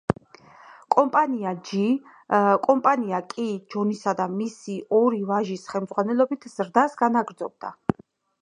კომპანია კი, ჯონისა და მისი ორი ვაჟის ხელმძღვანელობით ზრდას განაგრძობდა.